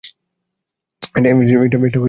এটা বিক্রির জন্য নয়।